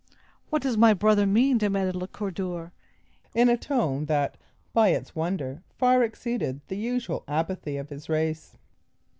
"What does my brother mean?" demanded Le Coeur dur, in a tone that, by its wonder, far exceeded the usual apathy of his race.